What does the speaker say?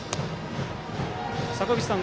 坂口さん